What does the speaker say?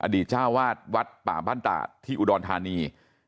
อดีตเจ้าอาวาสวัดป่าพันตะที่อูดรทานี